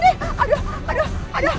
aduh aduh aduh